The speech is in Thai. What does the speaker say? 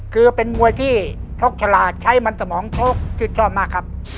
คือเป็นมวยที่ชกฉลาดใช้มันสมองชกชื่นชอบมากครับ